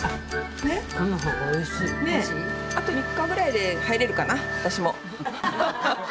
あと３日ぐらいで入れるかな、私も。